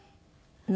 何？